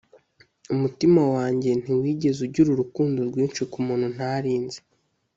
umutima wanjye ntiwigeze ugira urukundo rwinshi kumuntu ntari nzi.